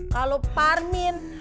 kalau bang parmin